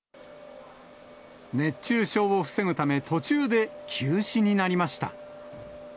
熱中症を防ぐため、途中で休止になりました。